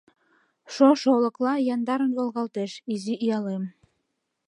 Шошо олыкла яндарын волгалтеш изи ялем.